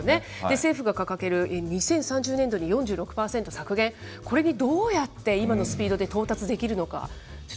政府が掲げる２０３０年度に４６％削減、これにどうやって今のスピードで到達できるのか。